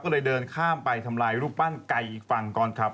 ก็เลยเดินข้ามไปทำลายรูปปั้นไก่อีกฝั่งก่อนครับ